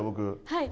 はい。